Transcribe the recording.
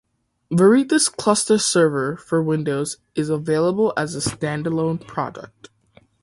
Veritas Cluster Server for Windows is available as a standalone product.